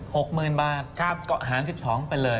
๖หมื่นบาทก็หา๑๒ไปเลย